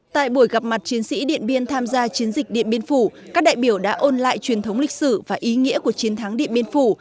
tại buổi gặp mặt chiến sĩ điện biên tham gia chiến dịch điện biên phủ các đại biểu đã ôn lại truyền thống lịch sử và ý nghĩa của chiến thắng điện biên phủ